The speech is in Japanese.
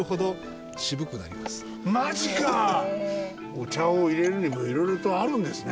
お茶をいれるにもいろいろとあるんですね。